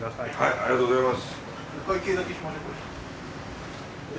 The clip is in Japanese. ありがとうございます。